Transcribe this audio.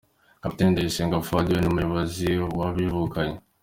Kapiteni Ndayisenga Fuadi we ni umuyobozi wabivukanye.